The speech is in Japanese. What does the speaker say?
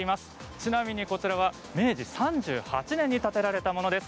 ちなみにこちらは明治３８年に建てられたものです。